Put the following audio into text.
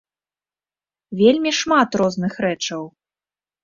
Вельмі шмат розных рэчаў.